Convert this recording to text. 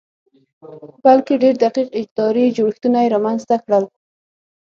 بلکې ډېر دقیق اداري جوړښتونه یې رامنځته کړل